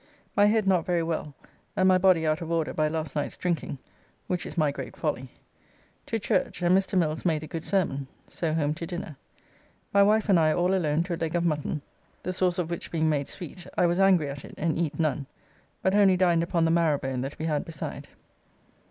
My head not very well, and my body out of order by last night's drinking, which is my great folly. To church, and Mr. Mills made a good sermon; so home to dinner. My wife and I all alone to a leg of mutton, the sawce of which being made sweet, I was angry at it, and eat none, but only dined upon the marrow bone that we had beside.